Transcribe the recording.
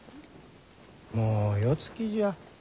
もうよつきじゃ。